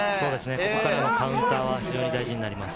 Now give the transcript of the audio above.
ここからのカウンターは非常に大事になります。